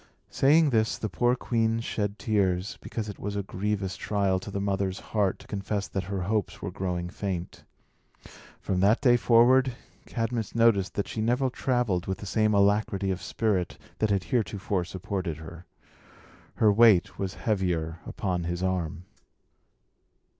Saying this, the poor queen shed tears, because it was a grievous trial to the mother's heart to confess that her hopes were growing faint. From that day forward, Cadmus noticed that she never travelled with the same alacrity of spirit that had heretofore supported her. Her weight was heavier upon his arm.